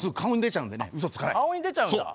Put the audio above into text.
顔に出ちゃうんだ。